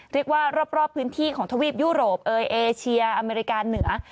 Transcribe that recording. เรียกว่ารอบพื้นที่ของทวีปยุโรปเอยเอเชียอเมริกาเหนือ